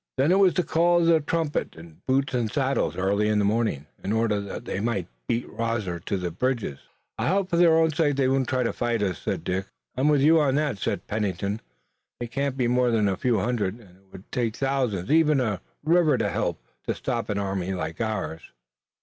Then it was the call of the trumpet and boots and saddles early in the morning in order that they might beat Rosser to the bridges. "I hope for their own sake that they won't try to fight us," said Dick. "I'm with you on that," said Pennington. "They can't be more than a few hundreds, and it would take thousands, even with a river to help, to stop an army like ours."